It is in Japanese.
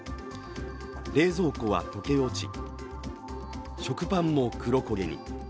冷蔵庫は溶け落ち、食パンも黒焦げに。